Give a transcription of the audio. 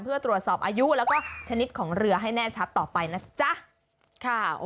เพื่อตรวจสอบอายุแล้วก็ชนิดของเรือให้แน่ชัดต่อไปนะจ๊ะ